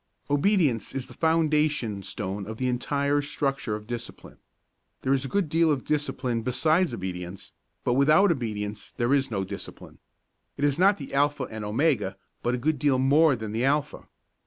Obedience is the foundation stone of the entire structure of discipline. There is a good deal in discipline besides obedience, but without obedience there is no discipline. It is not the alpha and omega, but is a good deal more than the alpha.